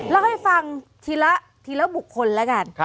แล้วให้ฟังทีละบุคลนะกัน